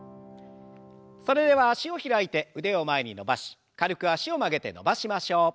それでは脚を開いて腕を前に伸ばし軽く脚を曲げて伸ばしましょう。